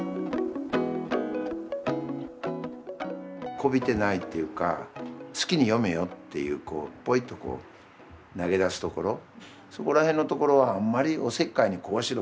こびてないっていうか好きに読めよっていうこうポイッと投げ出すところそこらへんのところはあんまりおせっかいにこうしろ